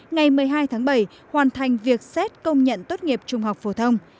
ngày một mươi hai tháng bảy hoàn thành việc xét công nhận tốt nghiệp trung học phổ thông